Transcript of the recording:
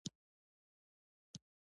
وروسته له افغانستان څخه تکیناباد ته روان شو.